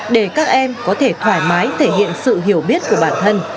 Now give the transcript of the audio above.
để các em có thể thoải mái thể hiện sự hiểu biết của bản thân